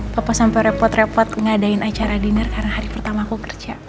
papa sampai repot repot ngadain acara dinner karena hari pertama aku kerja